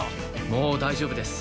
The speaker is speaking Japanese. もう大丈夫です。